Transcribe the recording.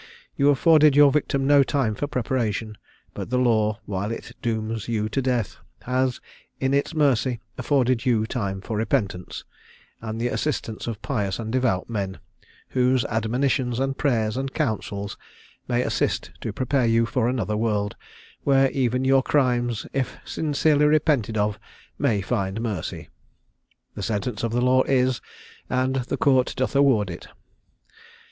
You afforded your victim no time for preparation; but the law, while it dooms you to death, has, in its mercy, afforded you time for repentance, and the assistance of pious and devout men, whose admonitions, and prayers, and counsels, may assist to prepare you for another world, where even your crimes, if sincerely repented of, may find mercy. "The sentence of the law is, and the court doth award it.